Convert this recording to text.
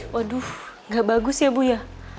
waduh gak bagus ya bu ya